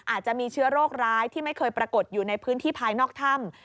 อาจจะมีเชื้อโรคร้ายที่ไม่เคยปรากฏอยู่ในพื้นที่ภายนอกถ้ำ